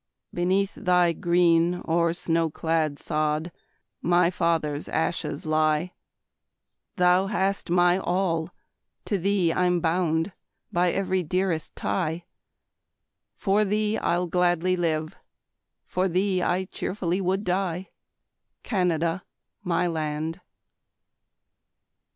Beneath thy green or snow clad sod My fathers' ashes lie; Thou hast my all, to thee I'm bound By every dearest tie; For thee I'll gladly live, for thee I cheerfully would die, Canada, my land.